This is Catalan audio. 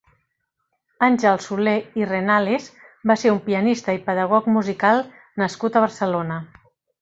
Àngel Soler i Renales va ser un pianista i pedagog musical nascut a Barcelona.